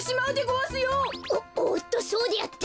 おおっとそうであった。